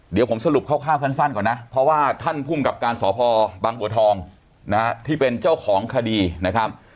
เดี๋ยวผมสรุปคร่าวสั้นก่อนนะเพราะว่าท่านภูมิกับการสพบังบัวทองนะฮะที่เป็นเจ้าของคดีนะครับ